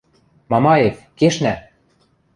— Мамаев, кешнӓ!